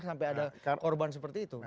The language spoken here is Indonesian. sampai ada korban seperti itu